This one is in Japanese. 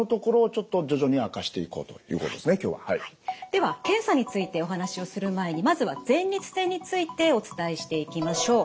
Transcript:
では検査についてお話をする前にまずは前立腺についてお伝えしていきましょう。